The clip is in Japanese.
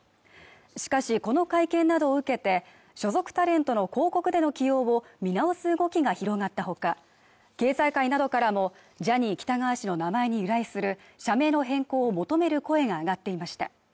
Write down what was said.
しかしこの会見などを受けて、所属タレントの広告での起用を見直す動きが広がったほか、経済界などからもジャニー喜多川氏の名前に由来する社名の変更を求める声が上がっていました。